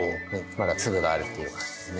まだ粒があるっていう感じですね。